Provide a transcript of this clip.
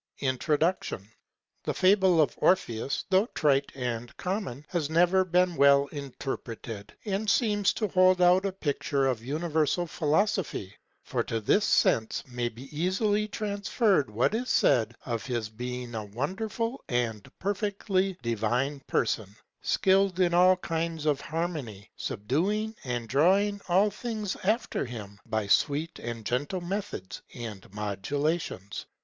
INTRODUCTION.—The fable of Orpheus, though trite and common, has never been well interpreted, and seems to hold out a picture of universal philosophy; for to this sense may be easily transferred what is said of his being a wonderful and perfectly divine person, skilled in all kinds of harmony, subduing and drawing all things after him by sweet and gentle methods and modulations.